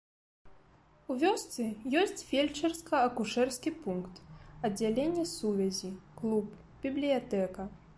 У вёсцы ёсць фельчарска-акушэрскі пункт, аддзяленне сувязі, клуб, бібліятэка.